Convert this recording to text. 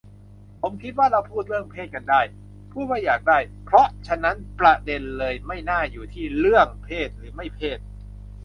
ผมคิดว่าเราพูดเรื่องเพศกันได้ พูดว่าอยากได้ เพราะฉะนั้นประเด็นเลยไม่น่าอยู่ที่เรื่องเพศหรือไม่เพศ